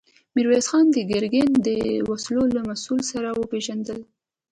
ميرويس خان د ګرګين د وسلو له مسوول سره وپېژندل.